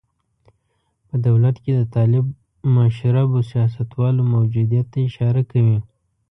په دولت کې د طالب مشربو سیاستوالو موجودیت ته اشاره کوي.